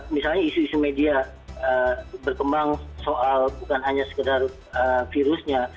misalnya isu isu media berkembang soal bukan hanya sekedar virusnya